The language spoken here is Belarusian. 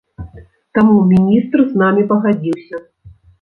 Таму міністр з намі пагадзіўся.